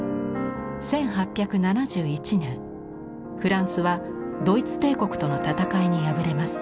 １８７１年フランスはドイツ帝国との戦いに敗れます。